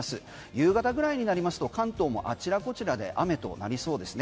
夕方ぐらいになりますと関東もあちらこちらで雨となりそうですね。